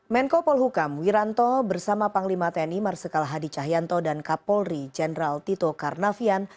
menko polhukam wiranto bersama panglima tni marsikal hadi cahyanto dan kapolri jenderal tito karnavian